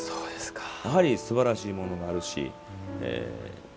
やはり、すばらしいものもあるし。